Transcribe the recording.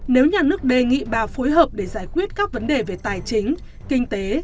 nếu nhà nước đề nghị bà phối hợp để giải quyết các vấn đề về tài chính kinh tế